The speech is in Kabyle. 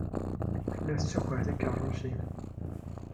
Tella tettaker tikeṛṛusin.